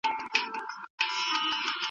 سړی په خپلو پښو کې د ستړیا احساس کاوه.